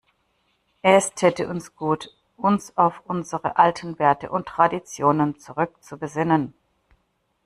Es täte uns gut, uns auf unsere alten Werte und Traditionen zurückzubesinnen.